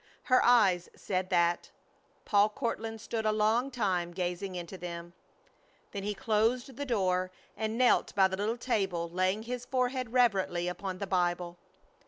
Her eyes said that. Paul Courtland stood a long time gazing into them. Then he closed the door and knelt by the little table, laying his forehead reverently upon the Bible.